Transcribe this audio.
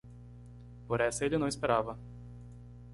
Por essa ele não esperava.